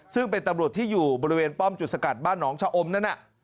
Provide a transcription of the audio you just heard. ซึ่งเป็นตำรวจที่อยู่บริเวณป้อมจุดสกัดบ้านหนองชะอมนั้นน่ะ